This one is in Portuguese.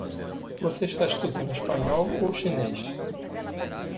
Você está estudando espanhol ou chinês?